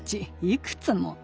いくつも。